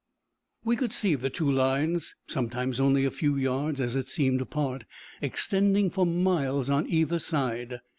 We could see the two lines, sometimes only a few yards, as it seemed, apart, extending for miles on either side.